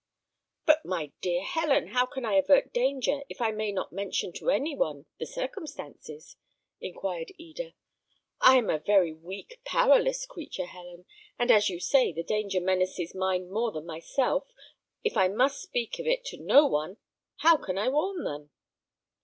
"But, my dear Helen, how can I avert danger if I may not mention to any one the circumstances?" inquired Eda. "I am a very weak, powerless creature, Helen; and as you say the danger menaces mine more than myself, if I must speak of it to no one, how can I warn them."